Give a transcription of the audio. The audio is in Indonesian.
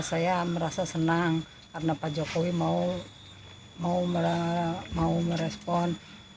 saya merasa senang karena pak jokowi mau merespon